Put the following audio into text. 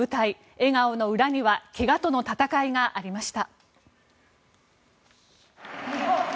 笑顔の裏には怪我との戦いがありました。